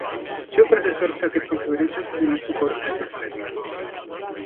Two-processor socket configurations do not support hyperthreading.